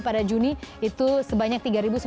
pada juni itu sebanyak tiga sembilan ratus tiga puluh tiga